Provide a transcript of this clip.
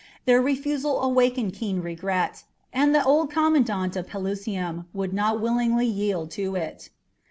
Their refusal awakened keen regret, and the old commandant of Pelusium would not willingly yield to it.